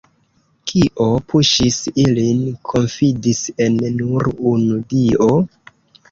Kio puŝis ilin konfidis en nur unu Dio?